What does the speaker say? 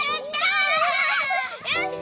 やった！